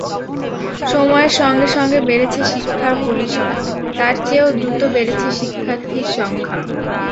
সময়ের সঙ্গে সঙ্গে বেড়েছে শিক্ষার পরিসর, তারচেয়েও দ্রুত বেড়েছে শিক্ষার্থীর সংখ্যা।